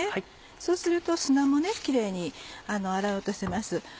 そうすると砂もキレイに洗い落とせます。